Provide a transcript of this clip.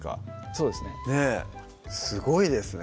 そうですねすごいですね